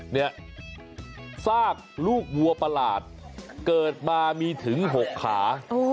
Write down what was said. เนี่ยซากลูกวัวประหลาดเกิดมามีถึง๖ขา